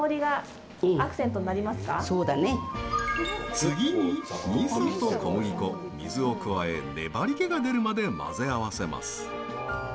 次に、味噌と小麦粉、水を加え粘りけが出るまで混ぜ合わせます。